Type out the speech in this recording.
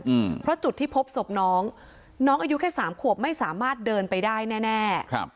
อืมเพราะจุดที่พบศพน้องน้องอายุแค่สามขวบไม่สามารถเดินไปได้แน่แน่ครับ